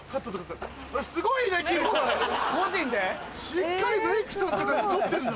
しっかりメイクさんとか雇ってんだ。